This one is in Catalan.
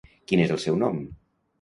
Quin és el seu nom?